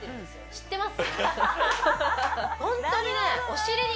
知ってます？